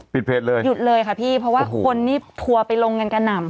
เพจเลยหยุดเลยค่ะพี่เพราะว่าคนนี่ทัวร์ไปลงกันกระหน่ำ